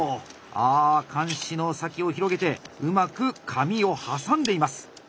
あ鉗子の先を広げてうまく紙を挟んでいます。